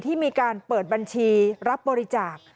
ที่มีการเปิดบัญชีรับบริจาค